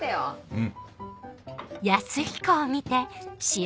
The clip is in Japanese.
うん。